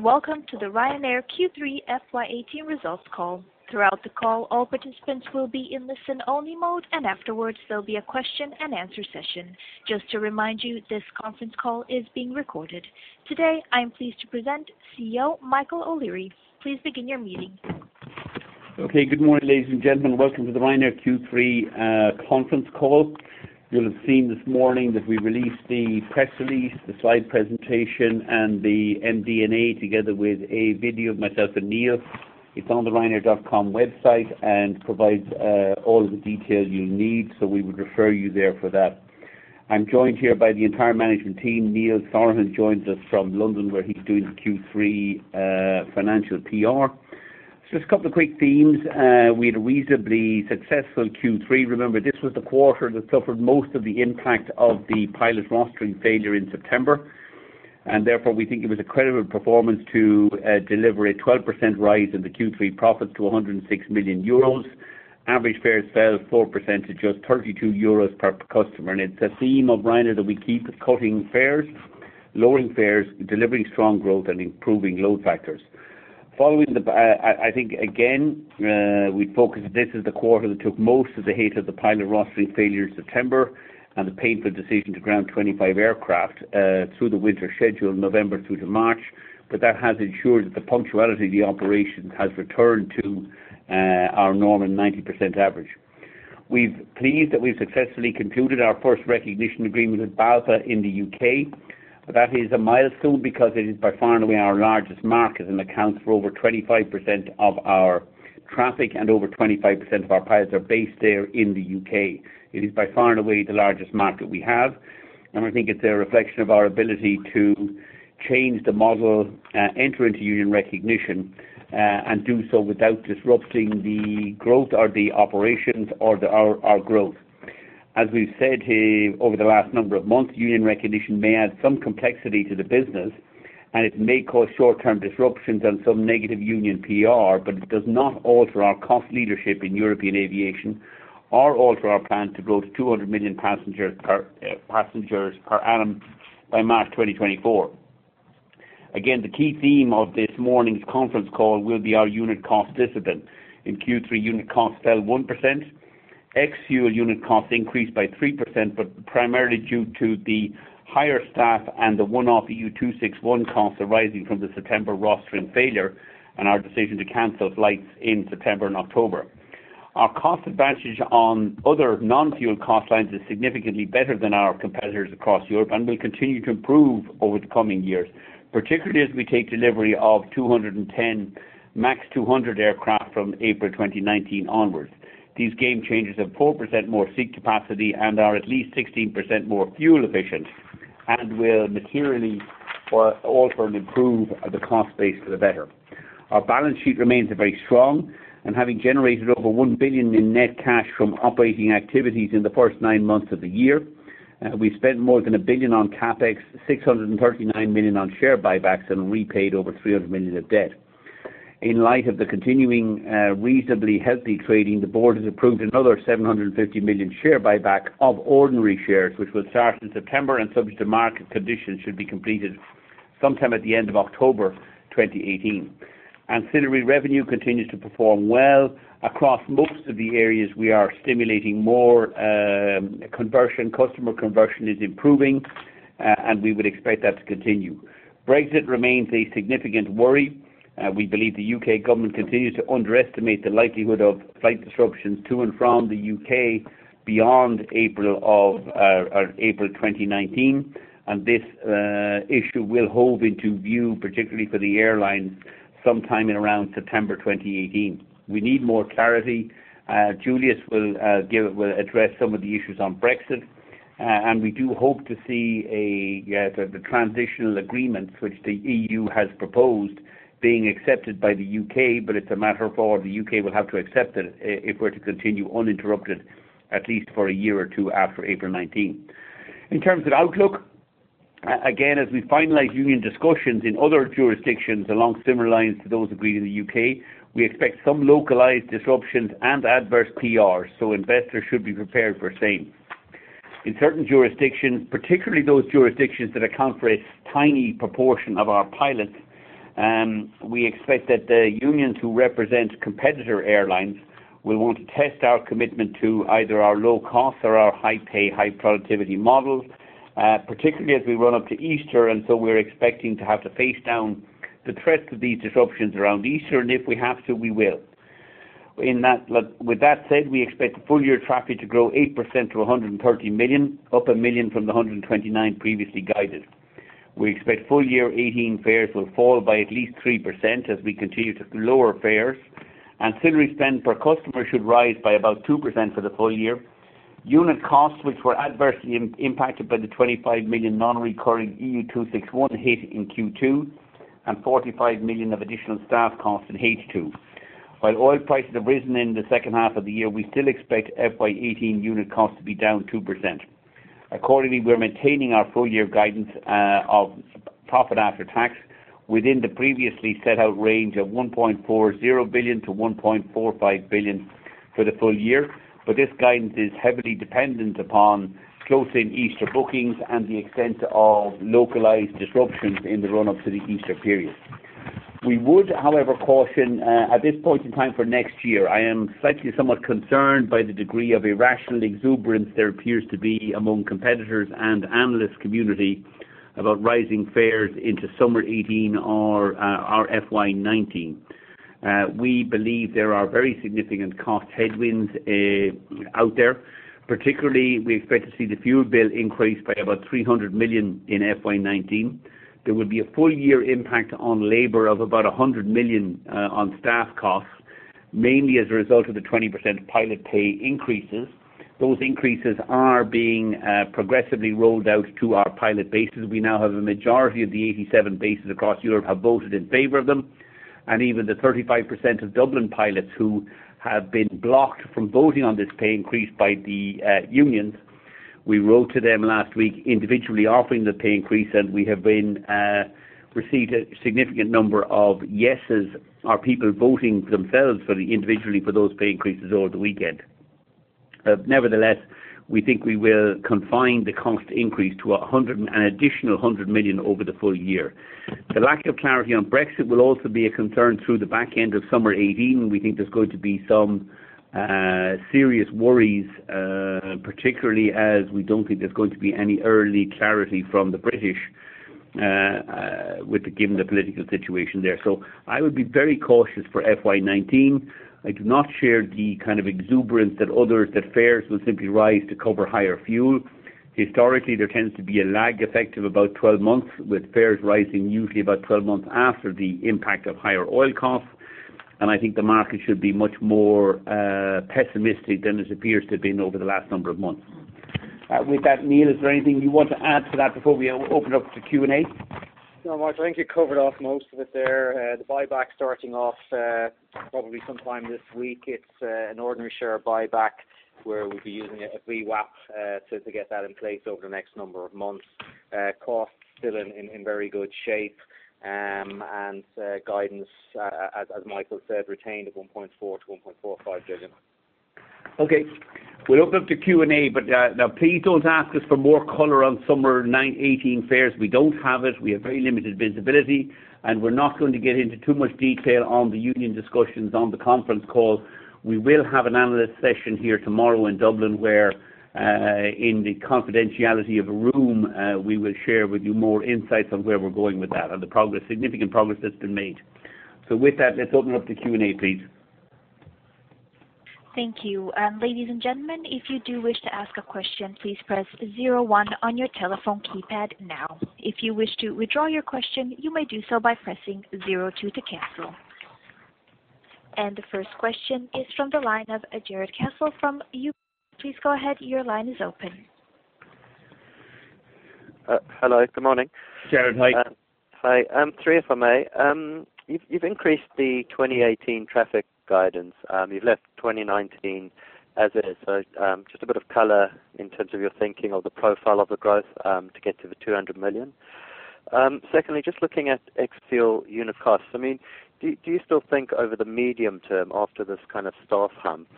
Welcome to the Ryanair Q3 FY 2018 results call. Throughout the call, all participants will be in listen-only mode, afterwards there will be a question and answer session. Just to remind you, this conference call is being recorded. Today, I am pleased to present CEO Michael O'Leary. Please begin your meeting. Good morning, ladies and gentlemen. Welcome to the Ryanair Q3 conference call. You will have seen this morning that we released the press release, the slide presentation, the MD&A together with a video of myself and Neil. It is on the ryanair.com website provides all of the details you need. We would refer you there for that. I am joined here by the entire management team. Neil Sorahan joins us from London, where he is doing the Q3 financial PR. Just a couple of quick themes. We had a reasonably successful Q3. Remember, this was the quarter that suffered most of the impact of the pilot rostering failure in September, therefore, we think it was a credible performance to deliver a 12% rise in the Q3 profits to 106 million euros. Average fares fell 4% to just 32 euros per customer, it is a theme of Ryanair that we keep cutting fares, lowering fares, delivering strong growth, improving load factors. I think again, we would focus, this is the quarter that took most of the hate of the pilot rostering failure in September and the painful decision to ground 25 aircraft through the winter schedule, November through to March. That has ensured that the punctuality of the operations has returned to our normal 90% average. We are pleased that we have successfully concluded our first recognition agreement with BALPA in the U.K. That is a milestone because it is by far and away our largest market and accounts for over 25% of our traffic and over 25% of our pilots are based there in the U.K. It is by far and away the largest market we have, I think it is a reflection of our ability to change the model, enter into union recognition, do so without disrupting the growth or the operations or our growth. As we have said here over the last number of months, union recognition may add some complexity to the business, it may cause short-term disruptions and some negative union PR, it does not alter our cost leadership in European aviation or alter our plan to grow to 200 million passengers per annum by March 2024. Again, the key theme of this morning's conference call will be our unit cost discipline. In Q3, unit costs fell 1%. Ex-fuel unit costs increased by 3%, but primarily due to the higher staff and the one-off EU261 costs arising from the September rostering failure and our decision to cancel flights in September and October. Our cost advantage on other non-fuel cost lines is significantly better than our competitors across Europe and will continue to improve over the coming years, particularly as we take delivery of 210 MAX 200 aircraft from April 2019 onwards. These game changers have 4% more seat capacity and are at least 16% more fuel efficient and will materially alter and improve the cost base for the better. Our balance sheet remains very strong. Having generated over 1 billion in net cash from operating activities in the first nine months of the year, we spent more than 1 billion on CapEx, 639 million on share buybacks, and repaid over 300 million of debt. In light of the continuing reasonably healthy trading, the board has approved another 750 million share buyback of ordinary shares, which will start in September and subject to market conditions, should be completed sometime at the end of October 2018. Ancillary revenue continues to perform well. Across most of the areas, we are stimulating more conversion. Customer conversion is improving, and we would expect that to continue. Brexit remains a significant worry. We believe the U.K. government continues to underestimate the likelihood of flight disruptions to and from the U.K. beyond April 2019. This issue will hove into view, particularly for the airlines, sometime in around September 2018. We need more clarity. Julius will address some of the issues on Brexit. We do hope to see the transitional agreements which the EU has proposed being accepted by the U.K., but it's a matter for the U.K. will have to accept it if we're to continue uninterrupted at least for a year or two after April 2019. In terms of outlook, again, as we finalize union discussions in other jurisdictions along similar lines to those agreed in the U.K., we expect some localized disruptions and adverse PR. Investors should be prepared for same. In certain jurisdictions, particularly those jurisdictions that account for a tiny proportion of our pilots, we expect that the unions who represent competitor airlines will want to test our commitment to either our low-cost or our high-pay, high-productivity models, particularly as we run up to Easter. We're expecting to have to face down the threat of these disruptions around Easter. If we have to, we will. With that said, we expect full-year traffic to grow 8% to 130 million, up 1 million from the 129 million previously guided. We expect full-year 2018 fares will fall by at least 3% as we continue to lower fares. Ancillary spend per customer should rise by about 2% for the full year. Unit costs, which were adversely impacted by the 25 million non-recurring EU261 hit in Q2 and 45 million of additional staff costs in H2. While oil prices have risen in the second half of the year, we still expect FY 2018 unit costs to be down 2%. Accordingly, we're maintaining our full-year guidance of profit after tax within the previously set out range of 1.40 billion-1.45 billion for the full year. This guidance is heavily dependent upon closing Easter bookings and the extent of localized disruptions in the run-up to the Easter period. We would, however, caution at this point in time for next year, I am slightly somewhat concerned by the degree of irrational exuberance there appears to be among competitors and analyst community about rising fares into summer 2018 or FY 2019. We believe there are very significant cost headwinds out there. Particularly, we expect to see the fuel bill increase by about 300 million in FY 2019. There will be a full-year impact on labor of about 100 million on staff costs, mainly as a result of the 20% pilot pay increases. Those increases are being progressively rolled out to our pilot bases. We now have a majority of the 87 bases across Europe have voted in favor of them. Even the 35% of Dublin pilots who have been blocked from voting on this pay increase by the unions, we wrote to them last week individually offering the pay increase, and we have received a significant number of yeses, are people voting themselves individually for those pay increases over the weekend. Nevertheless, we think we will confine the cost increase to an additional 100 million over the full year. The lack of clarity on Brexit will also be a concern through the back end of summer 2018. We think there's going to be some serious worries, particularly as we don't think there's going to be any early clarity from the British given the political situation there. I would be very cautious for FY 2019. I do not share the kind of exuberance that fares will simply rise to cover higher fuel. Historically, there tends to be a lag effect of about 12 months, with fares rising usually about 12 months after the impact of higher oil costs. I think the market should be much more pessimistic than it appears to have been over the last number of months. With that, Neil, is there anything you want to add to that before we open up to Q&A? No, Michael, I think you covered off most of it there. The buyback starting off probably sometime this week. It's an ordinary share buyback where we'll be using a VWAP to get that in place over the next number of months. Cost, still in very good shape. Guidance, as Michael said, retained at 1.4 billion-1.45 billion. Okay. Now please don't ask us for more color on summer 2018 fares. We don't have it. We have very limited visibility. We're not going to get into too much detail on the union discussions on the conference call. We will have an analyst session here tomorrow in Dublin, where, in the confidentiality of a room, we will share with you more insights on where we're going with that and the significant progress that's been made. With that, let's open up to Q&A please. Thank you. Ladies and gentlemen, if you do wish to ask a question, please press 01 on your telephone keypad now. If you wish to withdraw your question, you may do so by pressing 02 to cancel. The first question is from the line of Jarrod Castle from. Please go ahead. Your line is open. Hello, good morning. Jarrod, hi. Hi. Three, if I may. You've increased the 2018 traffic guidance. You've left 2019 as is. Just a bit of color in terms of your thinking of the profile of the growth to get to the 200 million. Secondly, just looking at ex-fuel unit costs. Do you still think over the medium term, after this kind of staff hump,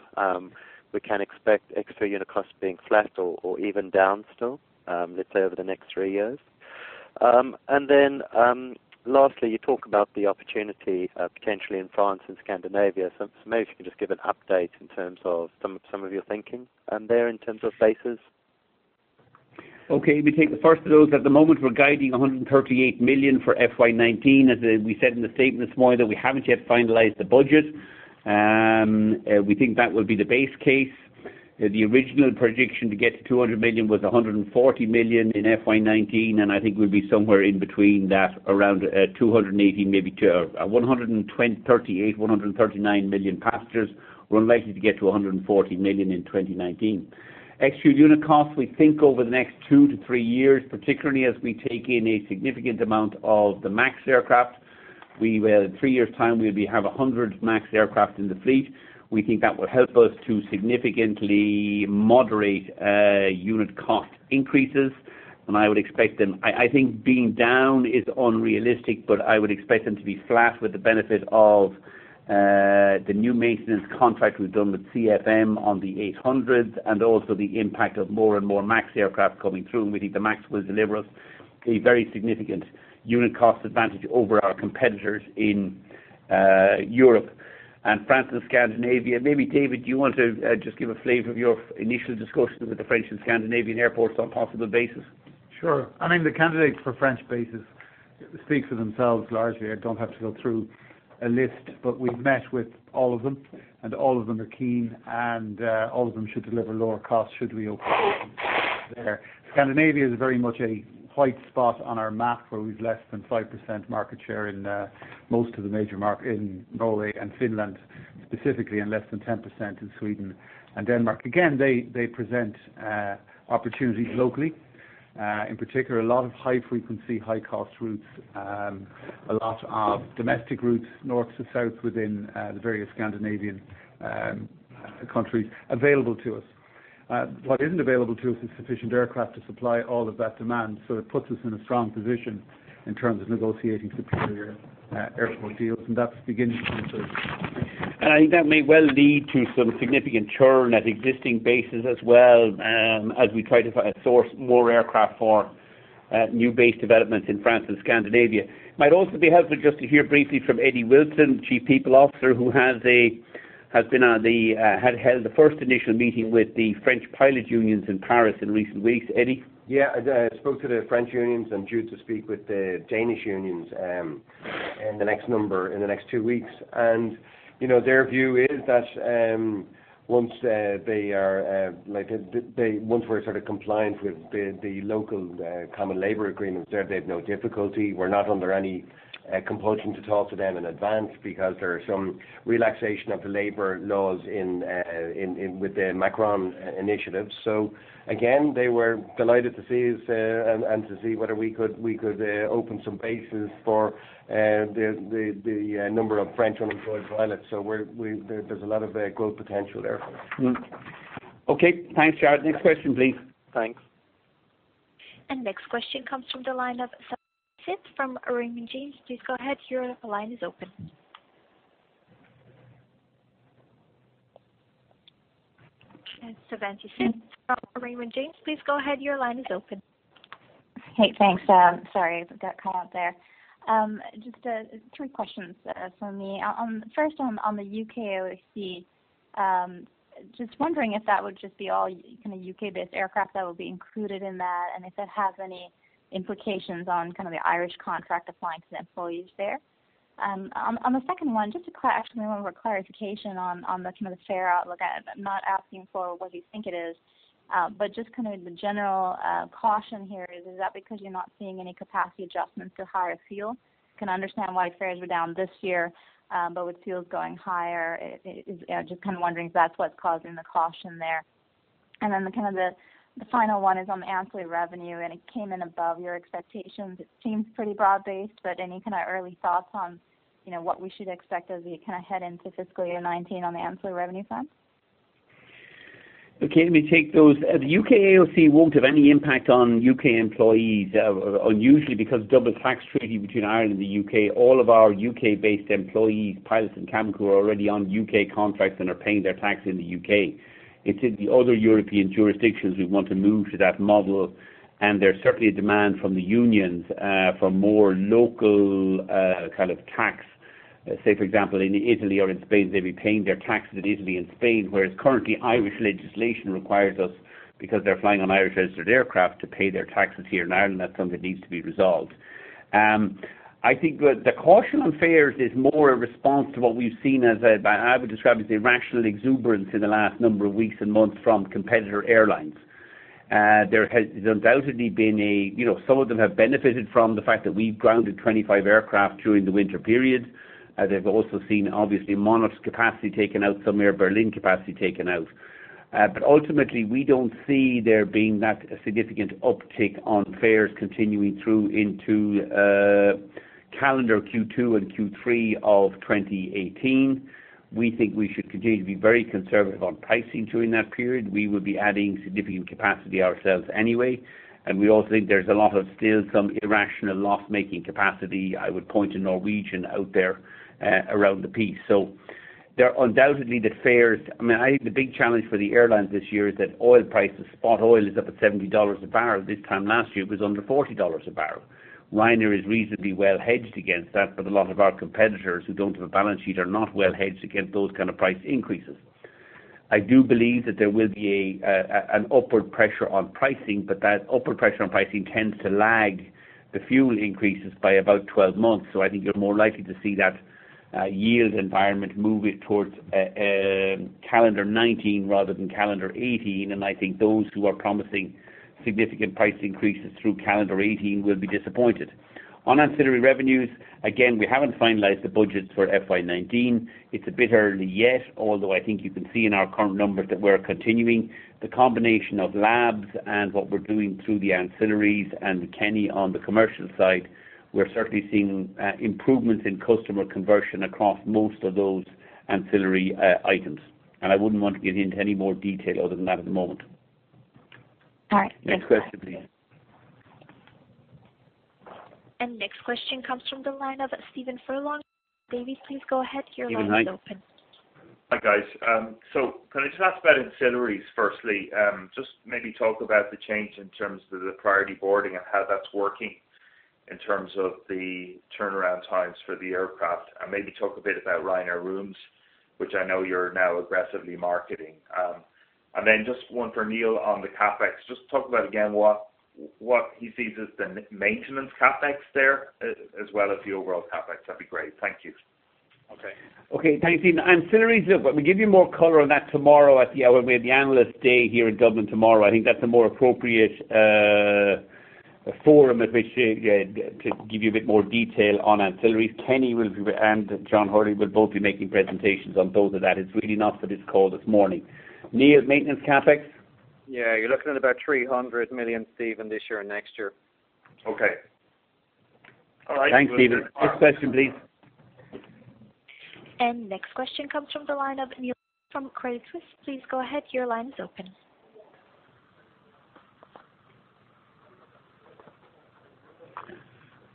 we can expect ex-fuel unit costs being flat or even down still, let's say over the next 3 years? Lastly, you talk about the opportunity potentially in France and Scandinavia. Maybe if you can just give an update in terms of some of your thinking there in terms of bases. Let me take the first of those. At the moment we're guiding 138 million for FY 2019. As we said in the statement this morning, though, we haven't yet finalized the budget. We think that will be the base case. The original prediction to get to 200 million was 140 million in FY 2019, and I think we'll be somewhere in between that, around 138, maybe to 138, 139 million passengers. We're unlikely to get to 140 million in 2019. Ex-fuel unit cost, we think over the next 2 to 3 years, particularly as we take in a significant amount of the MAX aircraft. In 3 years' time, we'll have 100 MAX aircraft in the fleet. We think that will help us to significantly moderate unit cost increases. I think being down is unrealistic, but I would expect them to be flat with the benefit of the new maintenance contract we've done with CFM on the 800s, and also the impact of more and more MAX aircraft coming through, and we think the MAX will deliver us a very significant unit cost advantage over our competitors in Europe. France and Scandinavia, maybe David, do you want to just give a flavor of your initial discussions with the French and Scandinavian airports on possible bases? Sure. The candidates for French bases speak for themselves largely. I don't have to go through a list, but we've met with all of them, and all of them are keen, and all of them should deliver lower costs should we open there. Scandinavia is very much a white spot on our map, where we've less than 5% market share in most of the major markets, in Norway and Finland specifically, and less than 10% in Sweden and Denmark. Again, they present opportunities locally. In particular, a lot of high-frequency, high-cost routes. A lot of domestic routes, north to south within the various Scandinavian countries available to us. What isn't available to us is sufficient aircraft to supply all of that demand. It puts us in a strong position in terms of negotiating superior airframe deals, and that's beginning to come to fruition. I think that may well lead to some significant churn at existing bases as well, as we try to source more aircraft for new base developments in France and Scandinavia. It might also be helpful just to hear briefly from Eddie Wilson, Chief People Officer, who had held the first initial meeting with the French pilot unions in Paris in recent weeks. Eddie? Yeah, I spoke to the French unions, and due to speak with the Danish unions in the next two weeks. Their view is that once we're sort of compliant with the local common labor agreements there, they have no difficulty. We're not under any compulsion to talk to them in advance, because there are some relaxation of the labor laws with the Macron initiatives. Again, they were delighted to see us and to see whether we could open some bases for the number of French unemployed pilots. There's a lot of growth potential there. Okay. Thanks, Jarrod. Next question, please. Thanks. Next question comes from the line of Savanthi Syth from Raymond James. Please go ahead. Your line is open. It's Savanthi Syth from Raymond James. Please go ahead. Your line is open. Hey, thanks. Sorry, got cut out there. Just three questions from me. First, on the U.K. AOC. Just wondering if that would just be all U.K.-based aircraft that would be included in that, and if that has any implications on the Irish contract applying to the employees there. On the second one, just actually a little more clarification on the fare outlook. I'm not asking for what you think it is, but just kind of the general caution here. Is that because you're not seeing any capacity adjustments to higher fuel? Can understand why fares were down this year, but with fuels going higher, just kind of wondering if that's what's causing the caution there. The final one is on ancillary revenue. It came in above your expectations. It seems pretty broad-based. Any kind of early thoughts on what we should expect as we head into FY 2019 on the ancillary revenue front? Okay, let me take those. The U.K. AOC won't have any impact on U.K. employees, unusually because double tax treaty between Ireland and the U.K. All of our U.K.-based employees, pilots and cabin crew, are already on U.K. contracts and are paying their taxes in the U.K. It is the other European jurisdictions we want to move to that model. There's certainly a demand from the unions for more local tax. Say, for example, in Italy or in Spain, they'd be paying their taxes in Italy and Spain, whereas currently Irish legislation requires us, because they're flying on Irish-registered aircraft, to pay their taxes here in Ireland. That's something that needs to be resolved. I think the caution on fares is more a response to what we've seen as, I would describe as the irrational exuberance in the last number of weeks and months from competitor airlines. Some of them have benefited from the fact that we've grounded 25 aircraft during the winter period. They've also seen, obviously, Monarch's capacity taken out, some Air Berlin capacity taken out. Ultimately, we don't see there being that significant uptick on fares continuing through into calendar Q2 and Q3 of 2018. We think we should continue to be very conservative on pricing during that period. We will be adding significant capacity ourselves anyway, and we also think there's a lot of still some irrational loss-making capacity. I would point to Norwegian out there around the piece. I think the big challenge for the airlines this year is that oil prices, spot oil is up at EUR 70 a barrel. This time last year, it was under EUR 40 a barrel. Ryanair is reasonably well hedged against that, a lot of our competitors who don't have a balance sheet are not well hedged against those kind of price increases. I do believe that there will be an upward pressure on pricing, that upward pressure on pricing tends to lag the fuel increases by about 12 months. I think you're more likely to see that yield environment moving towards calendar 2019 rather than calendar 2018, and I think those who are promising significant price increases through calendar 2018 will be disappointed. On ancillary revenues, again, we haven't finalized the budgets for FY 2019. It's a bit early yet, although I think you can see in our current numbers that we're continuing the combination of labs and what we're doing through the ancillaries and Kenny on the commercial side. We're certainly seeing improvements in customer conversion across most of those ancillary items, I wouldn't want to get into any more detail other than that at the moment. All right. Thanks, guys. Next question, please. Next question comes from the line of Stephen Furlong, Davy. Please go ahead. Your line is open. Stephen, hi. Hi, guys. Can I just ask about ancillaries firstly? Just maybe talk about the change in terms of the priority boarding and how that's working in terms of the turnaround times for the aircraft, and maybe talk a bit about Ryanair Rooms, which I know you're now aggressively marketing. Then just one for Neil on the CapEx. Just talk about again what he sees as the maintenance CapEx there as well as the overall CapEx. That'd be great. Thank you. Okay. Thanks, Stephen. Ancillaries, look, we'll give you more color on that tomorrow when we have the analyst day here in Dublin tomorrow. I think that's a more appropriate forum at which to give you a bit more detail on ancillaries. Kenny and John Hurley will both be making presentations on both of that. It's really not for this call this morning. Neil, maintenance CapEx? Yeah, you're looking at about 300 million, Stephen, this year and next year. Okay. All right. Thanks, Stephen. Next question, please. Next question comes from the line of Neil from Credit Suisse. Please go ahead. Your line is open.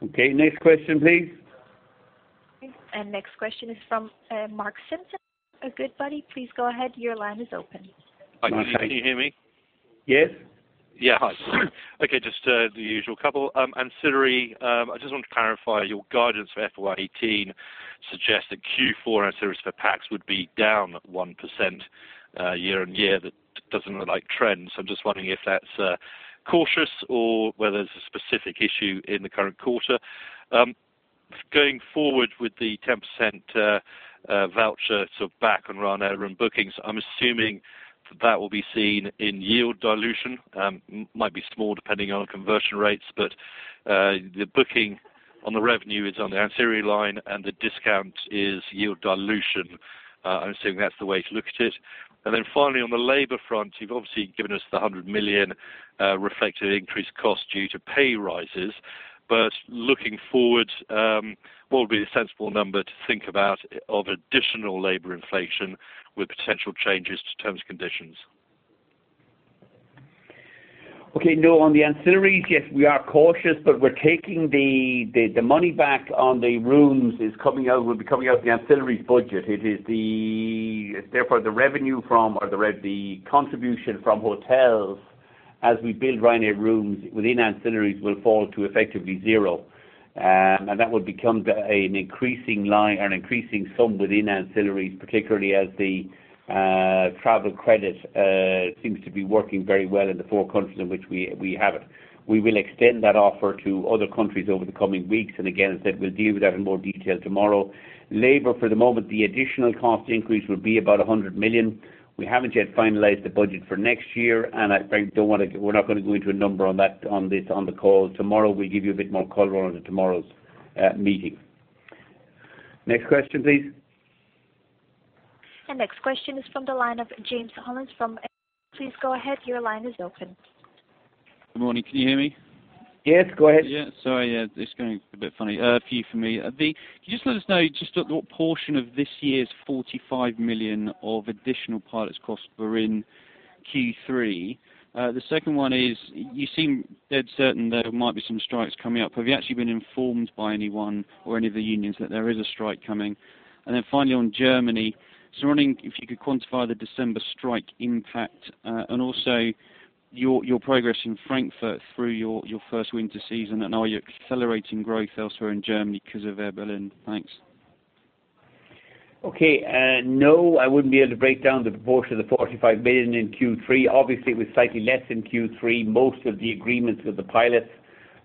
Okay, next question, please. Next question is from Mark Simpson at Goodbody. Please go ahead. Your line is open. Mark, can you hear me? Yes. Yeah. Hi. Okay. Just the usual couple. Ancillary, I just want to clarify your guidance for FY 2018 suggests that Q4 ancillaries for PAX would be down 1% year-over-year. That doesn't look like trends. I'm just wondering if that's cautious or whether there's a specific issue in the current quarter. Going forward with the 10% voucher back on Ryanair Rooms bookings, I'm assuming that will be seen in yield dilution. Might be small depending on conversion rates, but the booking on the revenue is on the ancillary line, and the discount is yield dilution. I'm assuming that's the way to look at it. Then finally, on the labor front, you've obviously given us the 100 million reflective increased cost due to pay rises. Looking forward, what would be the sensible number to think about of additional labor inflation with potential changes to terms, conditions? Okay. No, on the ancillaries, yes, we are cautious, but we're taking the money back on the rooms will be coming out of the ancillaries budget. Therefore, the revenue from or the contribution from hotels as we build Ryanair Rooms within ancillaries will fall to effectively zero. That would become an increasing sum within ancillaries, particularly as the travel credit seems to be working very well in the four countries in which we have it. We will extend that offer to other countries over the coming weeks, and again, as I said, we'll deal with that in more detail tomorrow. Labor, for the moment, the additional cost increase will be about 100 million. We haven't yet finalized the budget for next year, and we're not going to go into a number on that on the call. Tomorrow we'll give you a bit more color on it tomorrow's meeting. Next question, please. Next question is from the line of James Hollins from. Please go ahead. Your line is open. Good morning. Can you hear me? Yes, go ahead. Yes. Sorry. It's going a bit funny. A few from me. Could you just let us know just what portion of this year's 45 million of additional pilots costs were in Q3? The second one is, you seem dead certain there might be some strikes coming up. Have you actually been informed by anyone or any of the unions that there is a strike coming? And then finally on Germany, just wondering if you could quantify the December strike impact, and also your progress in Frankfurt through your first winter season, and are you accelerating growth elsewhere in Germany because of Air Berlin? Thanks. Okay. No, I wouldn't be able to break down the proportion of the 45 million in Q3. Obviously, it was slightly less in Q3. Most of the agreements with the pilots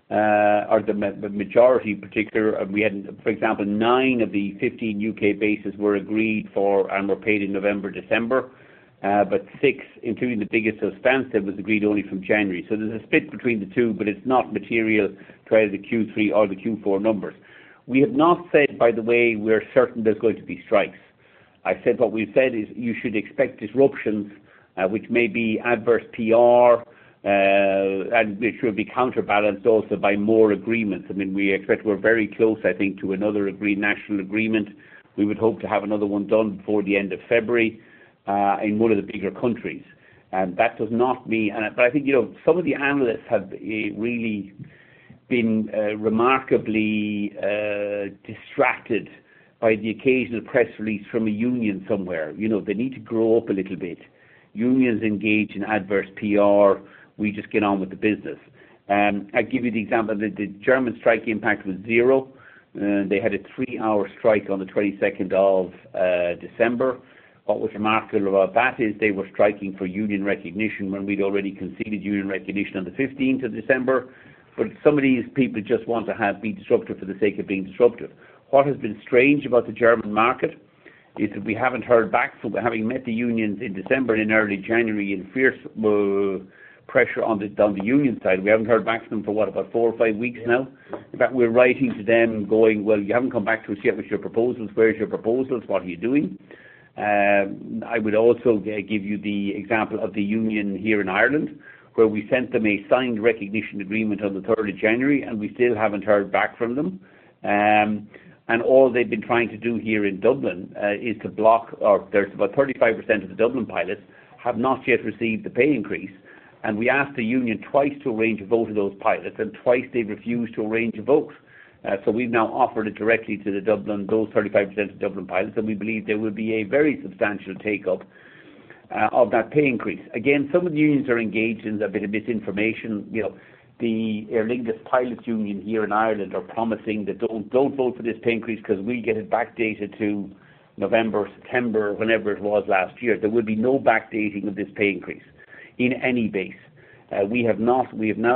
are the majority particular. We had, for example, nine of the 15 U.K. bases were agreed for and were paid in November, December. Six, including the biggest at Stansted, was agreed only from January. There's a split between the two, but it's not material to either the Q3 or the Q4 numbers. We have not said, by the way, we're certain there's going to be strikes. What we've said is you should expect disruptions, which may be adverse PR, and which will be counterbalanced also by more agreements. We expect we're very close, I think, to another national agreement. We would hope to have another one done before the end of February in one of the bigger countries. I think some of the analysts have really been remarkably distracted by the occasional press release from a union somewhere. They need to grow up a little bit. Unions engage in adverse PR. We just get on with the business. I give you the example, the German strike impact was 0. They had a three-hour strike on the 22nd of December. What was remarkable about that is they were striking for union recognition when we'd already conceded union recognition on the 15th of December. Some of these people just want to be disruptive for the sake of being disruptive. What has been strange about the German market is that we haven't heard back from having met the unions in December and in early January in fierce pressure on the union side. We haven't heard back from them for what, about four or five weeks now. In fact, we're writing to them going, "Well, you haven't come back to us yet with your proposals. Where's your proposals? What are you doing?" I would also give you the example of the union here in Ireland, where we sent them a signed recognition agreement on the 3rd of January, and we still haven't heard back from them. All they've been trying to do here in Dublin is to block or there's about 35% of the Dublin pilots have not yet received the pay increase. We asked the union twice to arrange a vote of those pilots, twice they've refused to arrange a vote. We've now offered it directly to those 35% of Dublin pilots, we believe there will be a very substantial take-up of that pay increase. Again, some of the unions are engaged in a bit of misinformation. The Aer Lingus pilots union here in Ireland are promising that don't vote for this pay increase because we get it backdated to November, September, whenever it was last year. There will be no backdating of this pay increase in any base. We have now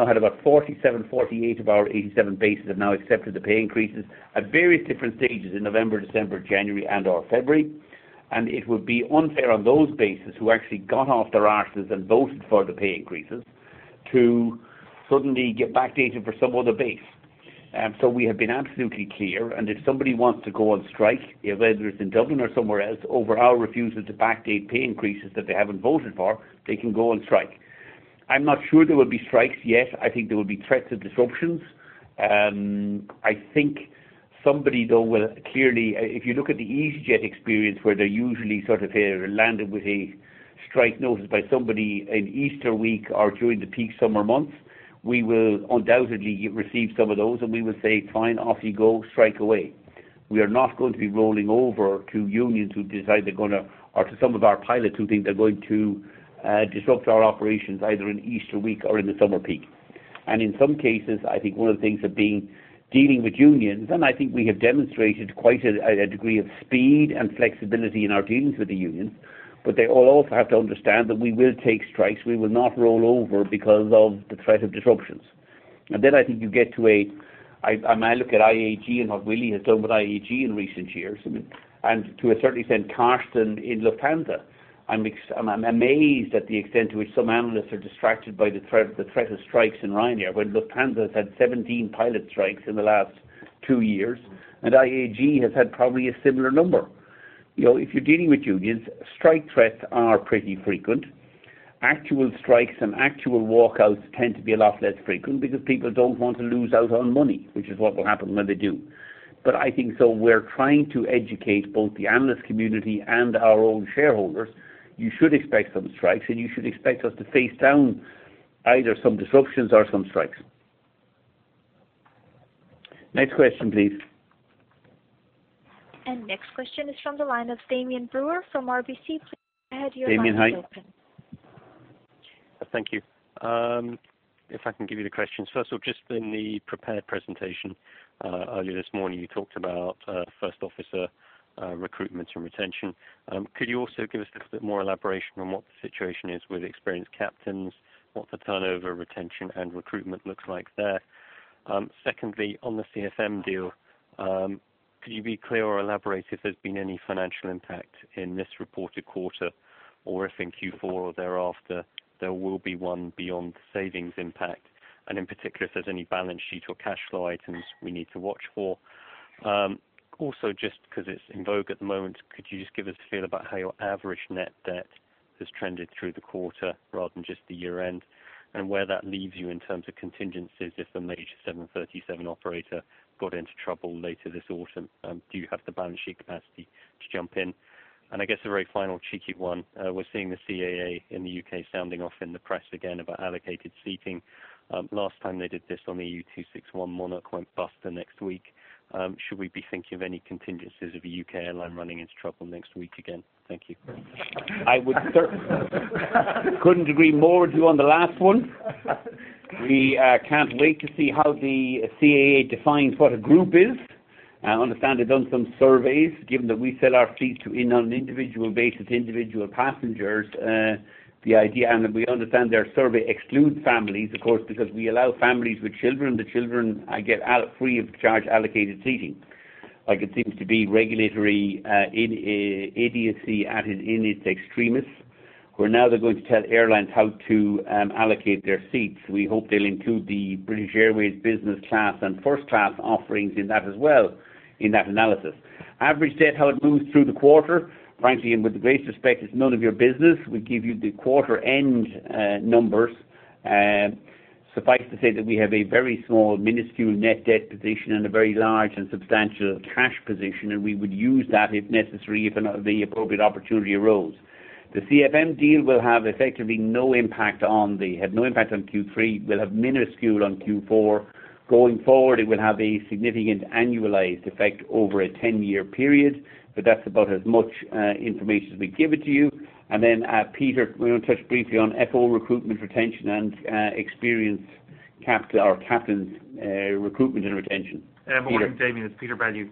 had about 47, 48 of our 87 bases have now accepted the pay increases at various different stages in November, December, January, and or February. It would be unfair on those bases who actually got off their arses and voted for the pay increases to suddenly get backdated for some other base. We have been absolutely clear, if somebody wants to go on strike, whether it's in Dublin or somewhere else, over our refusal to backdate pay increases that they haven't voted for, they can go on strike. I'm not sure there will be strikes yet. I think there will be threats of disruptions. I think somebody, though, will clearly. If you look at the easyJet experience, where they usually sort of land it with a strike notice by somebody in Easter week or during the peak summer months. We will undoubtedly receive some of those, we will say, "Fine, off you go. Strike away." We are not going to be rolling over to unions who decide they're going to, or to some of our pilots who think they're going to disrupt our operations either in Easter week or in the summer peak. In some cases, I think one of the things of dealing with unions, I think we have demonstrated quite a degree of speed and flexibility in our dealings with the unions, they all also have to understand that we will take strikes. We will not roll over because of the threat of disruptions. I think you get to a. I look at IAG and what Willie has done with IAG in recent years, to a certain extent, Carsten in Lufthansa. I'm amazed at the extent to which some analysts are distracted by the threat of strikes in Ryanair when Lufthansa has had 17 pilot strikes in the last two years, and IAG has had probably a similar number. If you're dealing with unions, strike threats are pretty frequent. Actual strikes and actual walkouts tend to be a lot less frequent because people don't want to lose out on money, which is what will happen when they do. I think, we're trying to educate both the analyst community and our own shareholders. You should expect some strikes, and you should expect us to face down either some disruptions or some strikes. Next question, please. Next question is from the line of Damian Brewer from RBC. Please go ahead, your line is open. Damian, hi. Thank you. If I can give you the questions. First off, just in the prepared presentation earlier this morning, you talked about first officer recruitment and retention. Could you also give us a little bit more elaboration on what the situation is with experienced captains, what the turnover, retention, and recruitment looks like there? Secondly, on the CFM deal, could you be clear or elaborate if there's been any financial impact in this reported quarter or if in Q4 or thereafter there will be one beyond the savings impact, and in particular, if there's any balance sheet or cash flow items we need to watch for? Just because it's in vogue at the moment, could you just give us a feel about how your average net debt has trended through the quarter rather than just the year-end, and where that leaves you in terms of contingencies if a major 737 operator got into trouble later this autumn? Do you have the balance sheet capacity to jump in? I guess a very final cheeky one. We're seeing the CAA in the U.K. sounding off in the press again about allocated seating. Last time they did this on the EU 261, Monarch went bust the next week. Should we be thinking of any contingencies of a U.K. airline running into trouble next week again? Thank you. I couldn't agree more with you on the last one. We can't wait to see how the CAA defines what a group is. I understand they've done some surveys, given that we sell our seats on an individual basis, individual passengers. The idea, we understand their survey excludes families, of course, because we allow families with children, the children get free of charge allocated seating. It seems to be regulatory idiocy at its extremis, where now they're going to tell airlines how to allocate their seats. We hope they'll include the British Airways business class and first-class offerings in that as well, in that analysis. Average debt, how it moves through the quarter. Frankly, with the greatest respect, it's none of your business. We give you the quarter-end numbers. Suffice to say that we have a very small, minuscule net debt position and a very large and substantial cash position, we would use that if necessary if the appropriate opportunity arose. The CFM deal will have effectively no impact on Q3, will have minuscule on Q4. Going forward, it will have a significant annualized effect over a 10-year period, that's about as much information as we've given to you. Peter, do you want to touch briefly on FO recruitment, retention, and experienced captains recruitment and retention? Peter. Morning, Damian. It's Peter Bellew.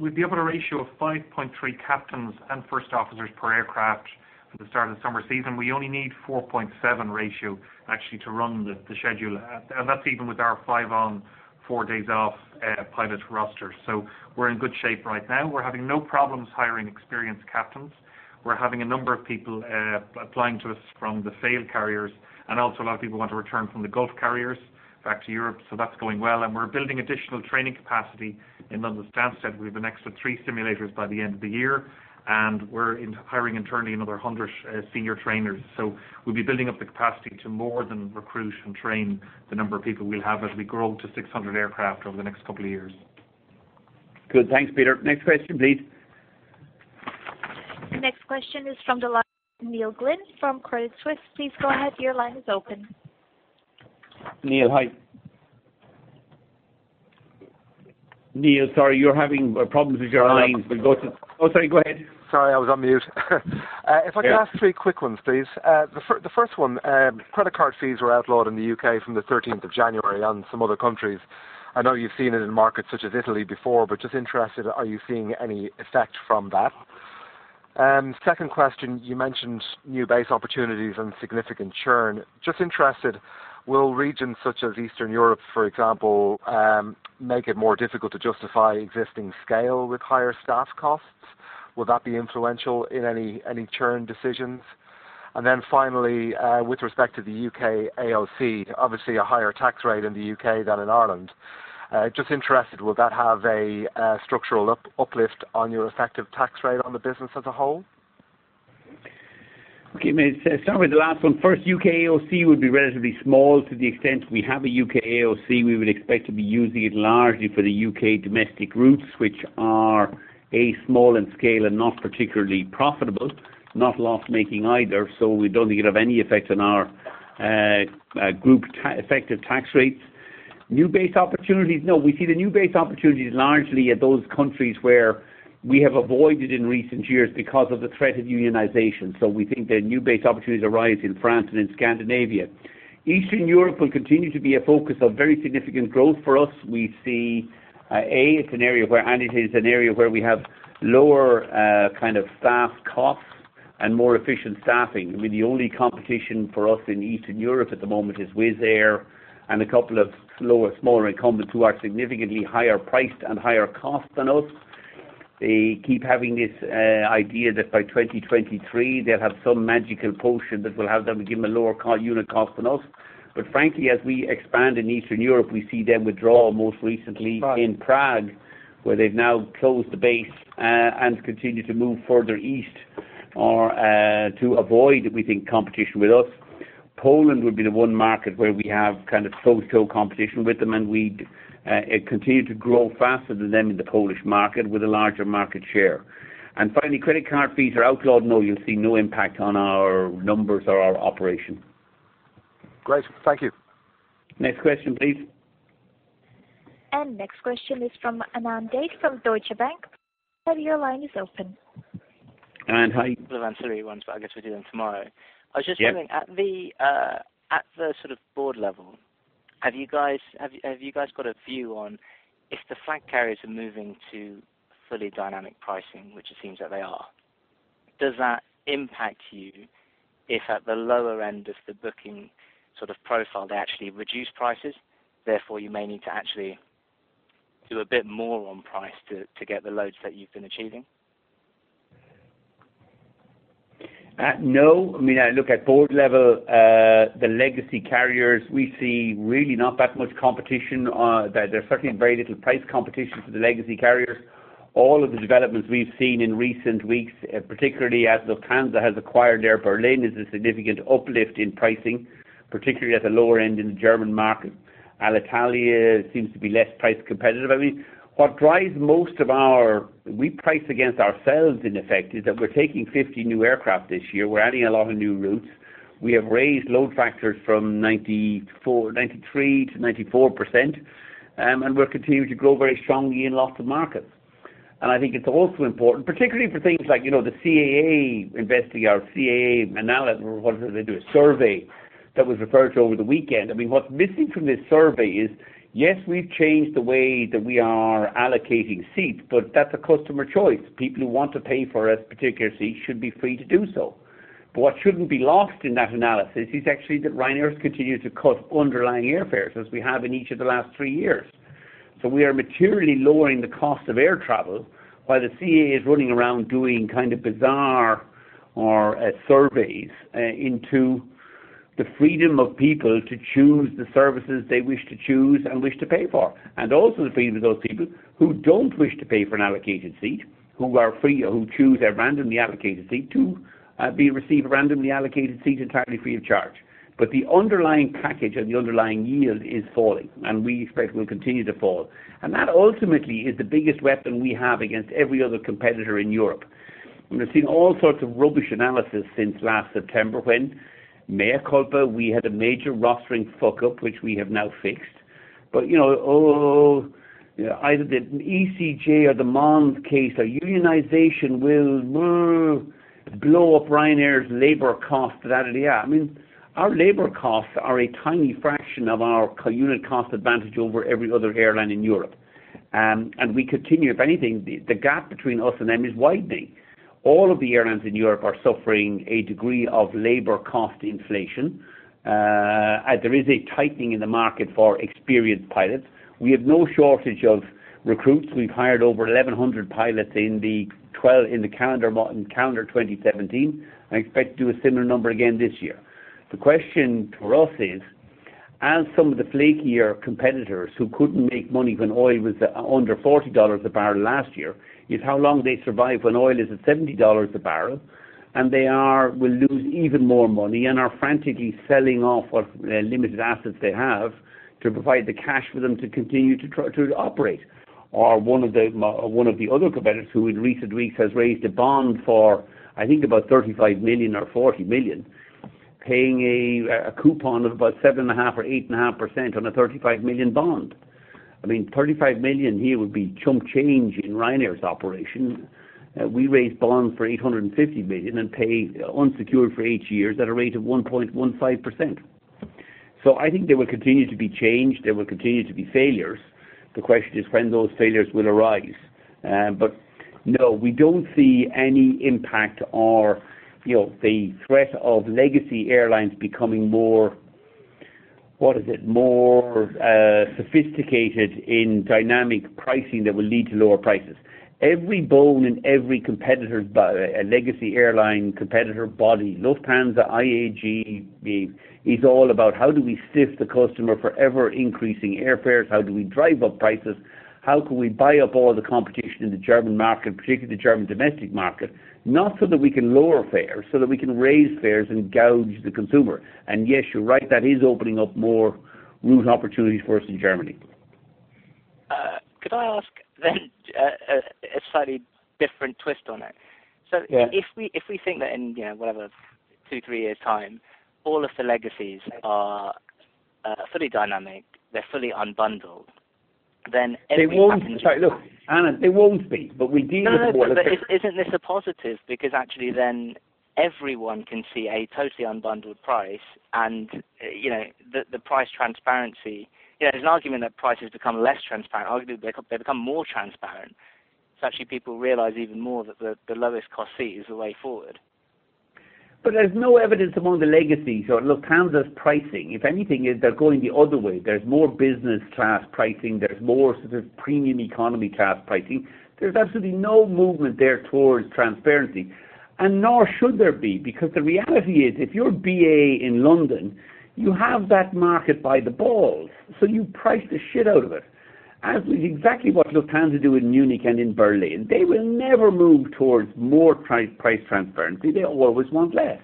We've been able to ratio of 5.3 captains and first officers per aircraft for the start of the summer season. We only need 4.7 ratio actually to run the schedule, that's even with our five on, four days off pilot roster. We're in good shape right now. We're having no problems hiring experienced captains. We're having a number of people applying to us from the failed carriers, also a lot of people want to return from the Gulf carriers back to Europe. That's going well. We're building additional training capacity in London, Stansted. We have an extra three simulators by the end of the year, and we're hiring and turning another 100 senior trainers. We'll be building up the capacity to more than recruit and train the number of people we'll have as we grow to 600 aircraft over the next couple of years. Good. Thanks, Peter. Next question, please. The next question is from the line of Neil Glynn from Credit Suisse. Please go ahead. Your line is open. Neil, hi. Neil, sorry, you're having problems with your line. Sorry. Go ahead. Sorry, I was on mute. Yeah. If I could ask three quick ones, please. The first one, credit card fees were outlawed in the U.K. from the 13th of January and some other countries. I know you've seen it in markets such as Italy before, but just interested, are you seeing any effect from that? Second question, you mentioned new base opportunities and significant churn. Just interested, will regions such as Eastern Europe, for example, make it more difficult to justify existing scale with higher staff costs? Will that be influential in any churn decisions? Finally, with respect to the U.K. AOC, obviously a higher tax rate in the U.K. than in Ireland. Just interested, will that have a structural uplift on your effective tax rate on the business as a whole? Okay, mate. Start with the last one first. U.K. AOC would be relatively small to the extent we have a U.K. AOC, we would expect to be using it largely for the U.K. domestic routes, which are A, small in scale and not particularly profitable, not loss-making either. We don't think it'll have any effect on our group effective tax rates. New base opportunities. No, we see the new base opportunities largely at those countries where we have avoided in recent years because of the threat of unionization. We think the new base opportunities arise in France and in Scandinavia. Eastern Europe will continue to be a focus of very significant growth for us. We see, A, it's an area where we have lower kind of staff costs and more efficient staffing. I mean, the only competition for us in Eastern Europe at the moment is Wizz Air and a couple of smaller incumbents who are significantly higher priced and higher cost than us. They keep having this idea that by 2023, they'll have some magical potion that will have them give them a lower unit cost than us. Frankly, as we expand in Eastern Europe, we see them withdraw, most recently in Prague, where they've now closed the base and continue to move further east to avoid, we think, competition with us. Poland would be the one market where we have kind of toe-to-toe competition with them, and we continue to grow faster than them in the Polish market with a larger market share. Finally, credit card fees are outlawed. No, you'll see no impact on our numbers or our operation. Great. Thank you. Next question please. Next question is from Anand Date from Deutsche Bank. Sir, your line is open. Anand, how are you? I have about three ones, but I guess we'll do them tomorrow. Yeah. I was just wondering, at the sort of board level, have you guys got a view on if the flag carriers are moving to fully dynamic pricing, which it seems that they are. Does that impact you if at the lower end of the booking sort of profile, they actually reduce prices, therefore you may need to actually do a bit more on price to get the loads that you've been achieving? No. I mean, look at board level. The legacy carriers, we see really not that much competition. There's certainly very little price competition for the legacy carriers. All of the developments we've seen in recent weeks, particularly as Lufthansa has acquired Air Berlin, is a significant uplift in pricing, particularly at the lower end in the German market. Alitalia seems to be less price competitive. I mean, what drives most of our-- we price against ourselves in effect, is that we're taking 50 new aircraft this year. We're adding a lot of new routes. We have raised load factors from 93%-94%, and we're continuing to grow very strongly in lots of markets. I think it's also important, particularly for things like, the CAA investigating our CAA analysis or whatever they do, a survey that was referred to over the weekend. I mean, what's missing from this survey is, yes, we've changed the way that we are allocating seats, but that's a customer choice. People who want to pay for a particular seat should be free to do so. What shouldn't be lost in that analysis is actually that Ryanair's continued to cut underlying airfares as we have in each of the last three years. We are materially lowering the cost of air travel while the CAA is running around doing kind of bizarre surveys into the freedom of people to choose the services they wish to choose and wish to pay for. Also the freedom of those people who don't wish to pay for an allocated seat, who are free, who choose a randomly allocated seat to receive a randomly allocated seat entirely free of charge. The underlying package or the underlying yield is falling, and we expect will continue to fall. That ultimately is the biggest weapon we have against every other competitor in Europe. We've seen all sorts of rubbish analysis since last September when, mea culpa, we had a major rostering fuck up, which we have now fixed. Either the ECJ or the Mons case or unionization will blow up Ryanair's labor cost. I mean, our labor costs are a tiny fraction of our unit cost advantage over every other airline in Europe. We continue, if anything, the gap between us and them is widening. All of the airlines in Europe are suffering a degree of labor cost inflation, as there is a tightening in the market for experienced pilots. We have no shortage of recruits. We've hired over 1,100 pilots in calendar 2017, and expect to do a similar number again this year. The question for us is, as some of the flakier competitors who couldn't make money when oil was under EUR 40 a barrel last year, is how long they survive when oil is at EUR 70 a barrel and they will lose even more money and are frantically selling off what limited assets they have to provide the cash for them to continue to operate. One of the other competitors who in recent weeks has raised a bond for, I think about 35 million or 40 million, paying a coupon of about 7.5% or 8.5% on a 35 million bond. I mean, 35 million here would be chump change in Ryanair's operation. We raised bonds for 850 million and pay unsecured for eight years at a rate of 1.15%. I think there will continue to be change. There will continue to be failures. The question is when those failures will arise. No, we don't see any impact or the threat of legacy airlines becoming more What is it? More sophisticated in dynamic pricing that will lead to lower prices. Every bone in every legacy airline competitor body, Lufthansa, IAG, is all about how do we stiff the customer for ever-increasing airfares? How do we drive up prices? How can we buy up all the competition in the German market, particularly the German domestic market, not so that we can lower fares, so that we can raise fares and gouge the consumer. Yes, you're right, that is opening up more route opportunities for us in Germany. Could I ask a slightly different twist on it? Yeah. If we think that in, whatever, two, three years' time, all of the legacies are fully dynamic, they're fully unbundled, every passenger- Sorry, look, Anand, they won't be, we do- No, isn't this a positive? Because actually everyone can see a totally unbundled price and the price transparency. There's an argument that prices become less transparent. Arguably, they become more transparent, actually people realize even more that the lowest cost seat is the way forward. There's no evidence among the legacies or Lufthansa's pricing. If anything, they're going the other way. There's more business-class pricing. There's more sort of premium economy class pricing. There's absolutely no movement there towards transparency, nor should there be. The reality is, if you're BA in London, you have that market by the balls, you price the shit out of it, as exactly what Lufthansa do in Munich and in Berlin. They will never move towards more price transparency. They always want less.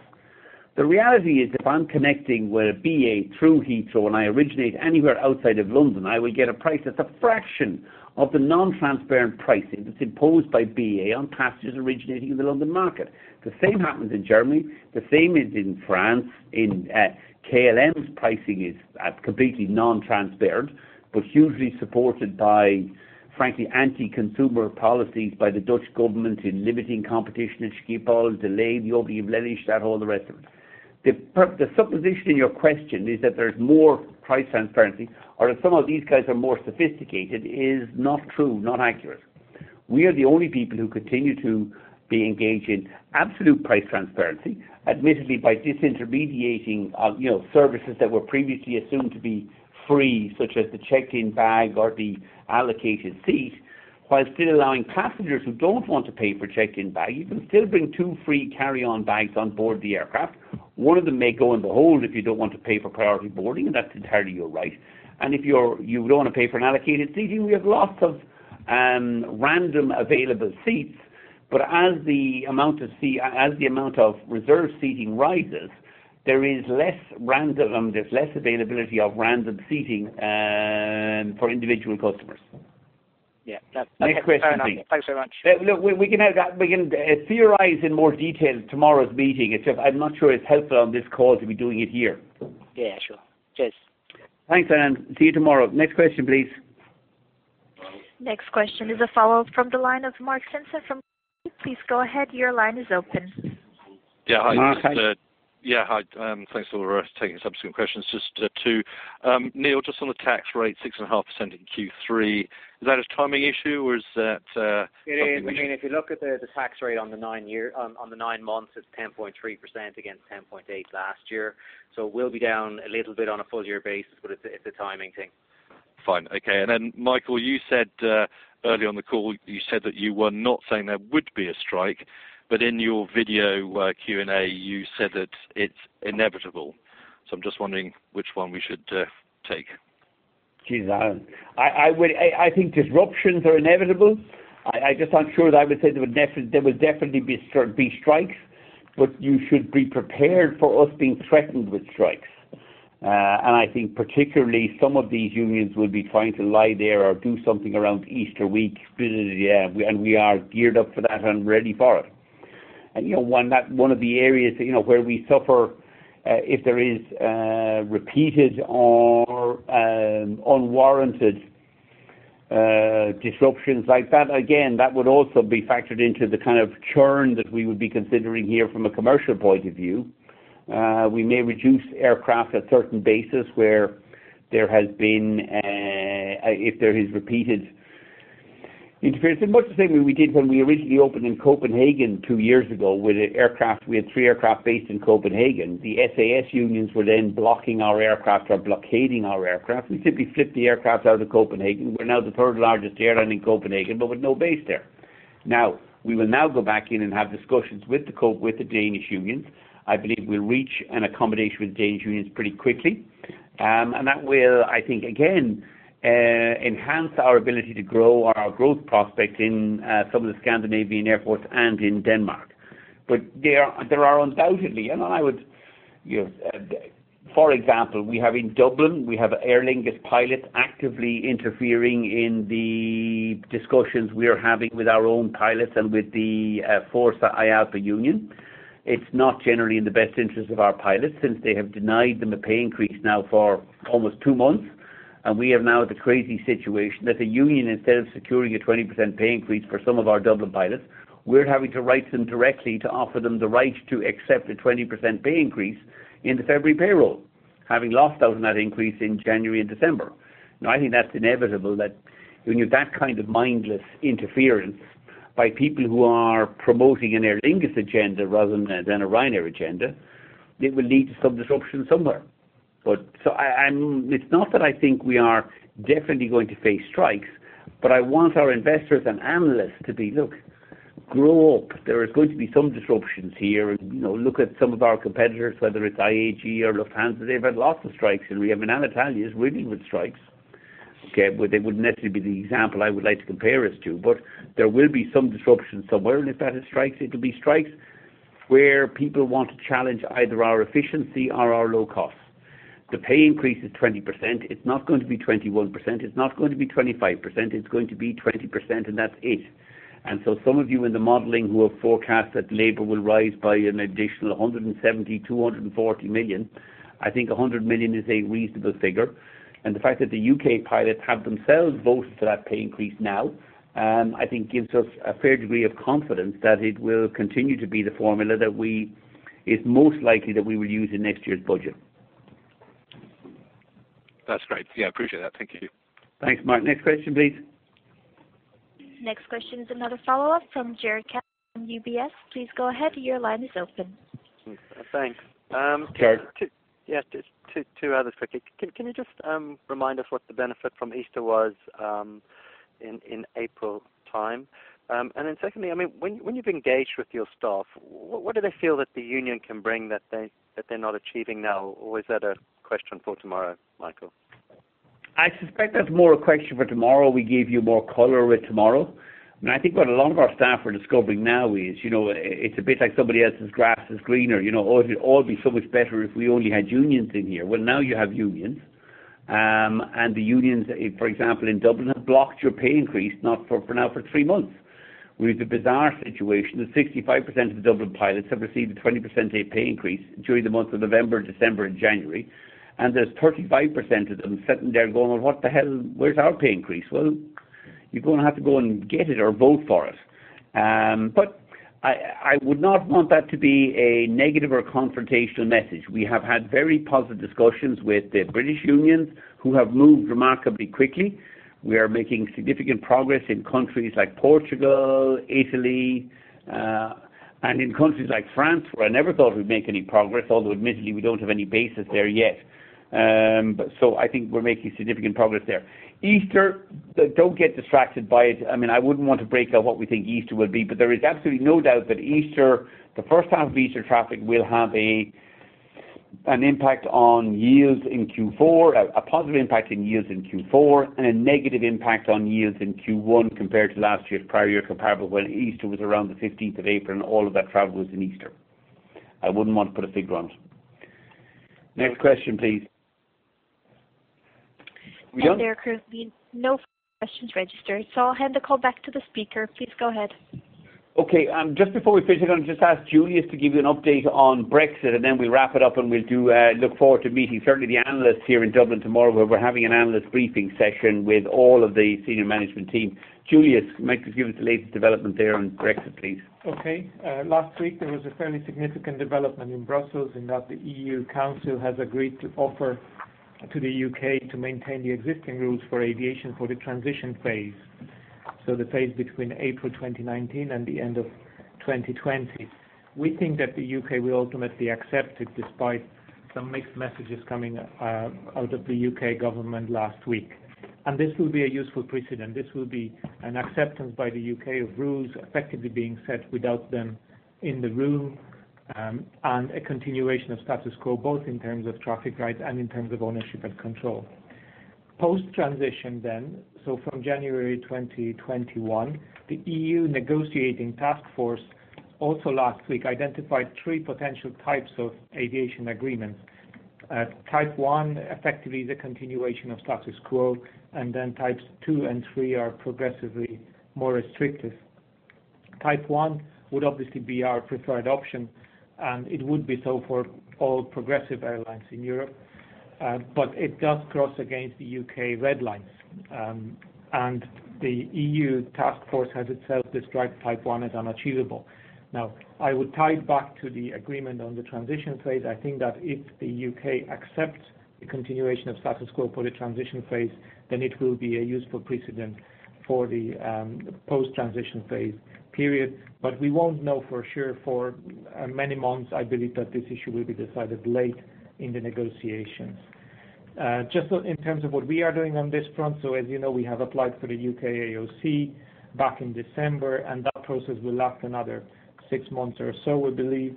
The reality is, if I'm connecting with BA through Heathrow and I originate anywhere outside of London, I will get a price that's a fraction of the non-transparent pricing that's imposed by BA on passengers originating in the London market. The same happens in Germany. The same is in France. KLM's pricing is completely non-transparent but hugely supported by, frankly, anti-consumer policies by the Dutch government in limiting competition at Schiphol, delaying the opening of Lelystad, all the rest of it. The supposition in your question is that there's more price transparency or that somehow these guys are more sophisticated is not true, not accurate. We are the only people who continue to be engaged in absolute price transparency, admittedly by disintermediating services that were previously assumed to be free, such as the check-in bag or the allocated seat, while still allowing passengers who don't want to pay for check-in bag, you can still bring two free carry-on bags on board the aircraft. One of them may go in the hold if you don't want to pay for priority boarding, and that's entirely your right. If you don't want to pay for an allocated seating, we have lots of random available seats. As the amount of reserve seating rises, there's less availability of random seating for individual customers. Yeah. That's fair. Next question, please. Thanks very much. Look, we can theorize in more detail in tomorrow's meeting. It's just I'm not sure it's helpful on this call to be doing it here. Yeah, sure. Cheers. Thanks, Anand. See you tomorrow. Next question, please. Next question is a follow-up from the line of Mark Simpson from. Please go ahead. Your line is open. Yeah, hi. Mark. Yeah, hi. Thanks for taking subsequent questions. Just two. Neil, just on the tax rate, 6.5% in Q3. Is that a timing issue, or is that- It is. If you look at the tax rate on the nine months, it's 10.3% against 10.8% last year. We'll be down a little bit on a full year basis, but it's a timing thing. Fine. Okay. Michael, early on the call, you said that you were not saying there would be a strike, but in your video Q&A, you said that it's inevitable. I'm just wondering which one we should take. Jesus. I think disruptions are inevitable. I just aren't sure that I would say there would definitely be strikes, but you should be prepared for us being threatened with strikes. I think particularly some of these unions will be trying to lie there or do something around Easter Week. We are geared up for that and ready for it. One of the areas where we suffer, if there is repeated or unwarranted disruptions like that, again, that would also be factored into the kind of churn that we would be considering here from a commercial point of view. We may reduce aircraft at certain bases if there is repeated interference. Much the same way we did when we originally opened in Copenhagen two years ago with the aircraft. We had three aircraft based in Copenhagen. The SAS unions were blocking our aircraft or blockading our aircraft. We simply flipped the aircraft out of Copenhagen. We're now the third largest airline in Copenhagen, but with no base there. We will now go back in and have discussions with the Danish unions. I believe we'll reach an accommodation with Danish unions pretty quickly. That will, I think, again, enhance our ability to grow our growth prospects in some of the Scandinavian airports and in Denmark. There are undoubtedly-- For example, we have in Dublin, we have Aer Lingus pilots actively interfering in the discussions we are having with our own pilots and with the Fórsa IALPA union. It's not generally in the best interest of our pilots since they have denied them a pay increase now for almost two months. We have now the crazy situation that the union, instead of securing a 20% pay increase for some of our Dublin pilots, we're having to write them directly to offer them the right to accept a 20% pay increase in the February payroll, having lost out on that increase in January and December. I think that's inevitable that when you've that kind of mindless interference- By people who are promoting an Aer Lingus agenda rather than a Ryanair agenda, it will lead to some disruption somewhere. It's not that I think we are definitely going to face strikes, but I want our investors and analysts to be, look, grow up. There is going to be some disruptions here. Look at some of our competitors, whether it's IAG or Lufthansa. They've had lots of strikes, and we have Alitalia is riddled with strikes. Okay. They wouldn't necessarily be the example I would like to compare us to, but there will be some disruption somewhere, and if that is strikes, it'll be strikes where people want to challenge either our efficiency or our low costs. The pay increase is 20%. It's not going to be 21%, it's not going to be 25%, it's going to be 20%, and that's it. Some of you in the modeling who have forecast that labor will rise by an additional 170 million-240 million, I think 100 million is a reasonable figure. The fact that the U.K. pilots have themselves voted for that pay increase now, I think gives us a fair degree of confidence that it will continue to be the formula that is most likely that we will use in next year's budget. That's great. Yeah, I appreciate that. Thank you. Thanks, Mark. Next question, please. Next question is another follow-up from Jarrod Castle from UBS. Please go ahead. Your line is open. Thanks. Jez. Yeah. Two others quickly. Can you just remind us what the benefit from Easter was in April time? Secondly, when you've engaged with your staff, what do they feel that the union can bring that they're not achieving now, or is that a question for tomorrow, Michael? I suspect that's more a question for tomorrow. We give you more color with tomorrow. I think what a lot of our staff are discovering now is, it's a bit like somebody else's grass is greener. "Oh, it'd all be so much better if we only had unions in here." Well, now you have unions. The unions, for example, in Dublin, have blocked your pay increase now for three months. We have the bizarre situation that 65% of the Dublin pilots have received a 20% pay increase during the months of November, December and January, and there's 35% of them sitting there going, "Well, what the hell? Where's our pay increase?" Well, you're going to have to go and get it or vote for it. I would not want that to be a negative or confrontational message. We have had very positive discussions with the British unions, who have moved remarkably quickly. We are making significant progress in countries like Portugal, Italy, and in countries like France, where I never thought we'd make any progress, although admittedly, we don't have any bases there yet. I think we're making significant progress there. Easter, don't get distracted by it. I wouldn't want to break out what we think Easter will be. There is absolutely no doubt that Easter, the first half of Easter traffic, will have a positive impact on yields in Q4, and a negative impact on yields in Q1 compared to last year's prior year comparable, when Easter was around the 15th of April and all of that travel was in Easter. I wouldn't want to put a figure on it. Next question, please. We done? There currently no further questions registered. I'll hand the call back to the speaker. Please go ahead. Okay. Just before we finish, I going to just ask Julius to give you an update on Brexit, and then we'll wrap it up, and we'll look forward to meeting certainly the analysts here in Dublin tomorrow, where we're having an analyst briefing session with all of the senior management team. Julius, might as well give us the latest development there on Brexit, please. Okay. Last week there was a fairly significant development in Brussels, in that the EU Council has agreed to offer to the U.K. to maintain the existing rules for aviation for the transition phase. The phase between April 2019 and the end of 2020. We think that the U.K. will ultimately accept it despite some mixed messages coming out of the U.K. government last week. This will be a useful precedent. This will be an acceptance by the U.K. of rules effectively being set without them in the room, and a continuation of status quo, both in terms of traffic rights and in terms of ownership and control. Post transition then, from January 2021, the EU negotiating task force also last week identified 3 potential types of aviation agreements. Type 1, effectively the continuation of status quo, and then types 2 and 3 are progressively more restrictive. Type 1 would obviously be our preferred option, and it would be so for all progressive airlines in Europe. It does cross against the U.K. red lines. The EU task force has itself described type 1 as unachievable. I would tie it back to the agreement on the transition phase. I think that if the U.K. accepts the continuation of status quo for the transition phase, it will be a useful precedent for the post-transition phase period. We won't know for sure for many months. I believe that this issue will be decided late in the negotiations. Just in terms of what we are doing on this front, as you know, we have applied for the U.K. AOC back in December, and that process will last another six months or so, we believe.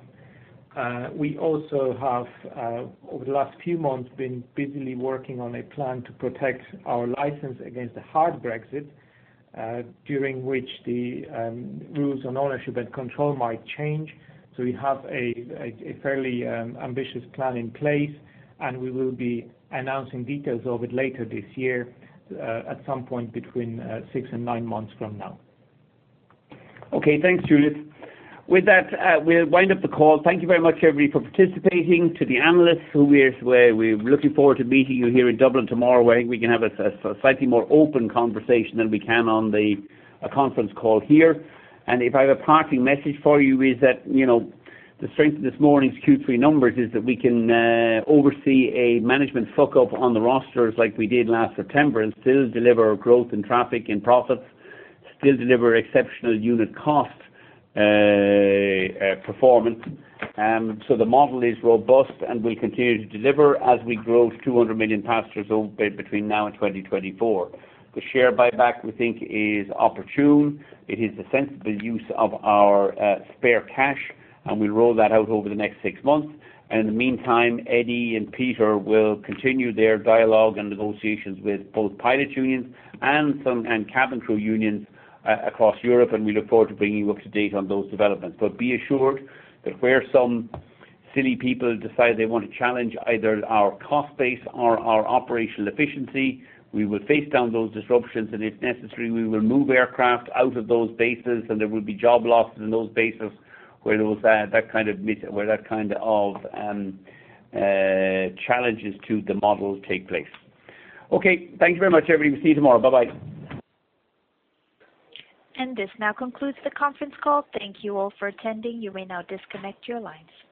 We also have over the last few months been busily working on a plan to protect our license against a hard Brexit, during which the rules on ownership and control might change. We have a fairly ambitious plan in place, and we will be announcing details of it later this year, at some point between six and nine months from now. Okay, thanks, Julius. With that, we'll wind up the call. Thank you very much, everybody, for participating. To the analysts, we're looking forward to meeting you here in Dublin tomorrow, where we can have a slightly more open conversation than we can on a conference call here. If I have a parting message for you is that, the strength of this morning's Q3 numbers is that we can oversee a management fuckup on the rosters like we did last September and still deliver growth in traffic and profits, still deliver exceptional unit cost performance. The model is robust and will continue to deliver as we grow to 200 million passengers between now and 2024. The share buyback, we think, is opportune. It is a sensible use of our spare cash, and we'll roll that out over the next six months. In the meantime, Eddie and Peter will continue their dialogue and negotiations with both pilots unions and cabin crew unions across Europe, and we look forward to bringing you up to date on those developments. Be assured that where some silly people decide they want to challenge either our cost base or our operational efficiency, we will face down those disruptions, and if necessary, we will move aircraft out of those bases, and there will be job losses in those bases where that kind of challenges to the model take place. Okay. Thank you very much, everybody. We'll see you tomorrow. Bye-bye. This now concludes the conference call. Thank you all for attending. You may now disconnect your lines.